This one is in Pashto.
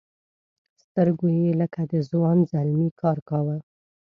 سترګو یې لکه د ځوان زلمي کار کاوه.